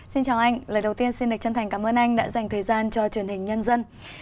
xin chào anh lời đầu tiên xin được chân thành cảm ơn anh đã dành thời gian cho truyền hình nhân dân